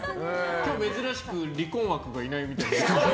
今日、珍しく離婚枠がいないみたい。